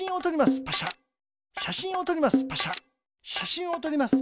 しゃしんをとります。